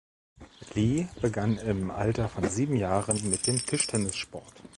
Li begann im Alter von sieben Jahren mit dem Tischtennissport.